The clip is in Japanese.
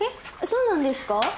そうなんですか？